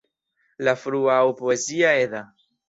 La frua aŭ Poezia Edda.